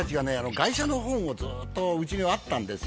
外車の本をずっとうちにあったんですよ